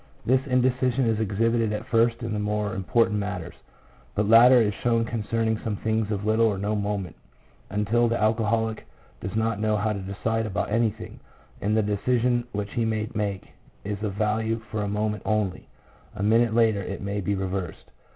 This indecision is exhibited at first in the more important matters, but later is shown concerning some things of little or no moment, until the alcoholic does not know how to decide about any thing, and the decision which he may make is of value for a moment only; a minute later it may be reversed.